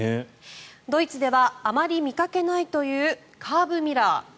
ドイツではあまり見かけないというカーブミラー。